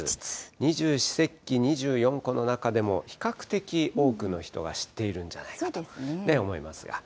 二十四節気、２４個の中でも比較的多くの人が知っているんじゃないかと思いますが。